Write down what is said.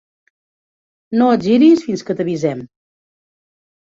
No et giris fins que t'avisem.